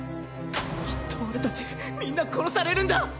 きっと俺たちみんな殺されるんだ！